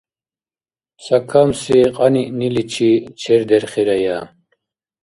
Цакамси кьаниъниличи чердерхирая.